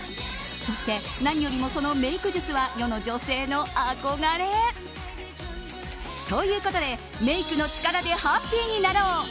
そして何よりもそのメイク術は世の女性の憧れ。ということでメイクの力でハッピーになろう！